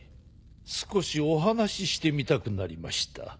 少しお話ししてみたくなりました。